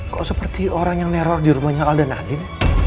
kok seperti orang yang neror di rumahnya alda nadim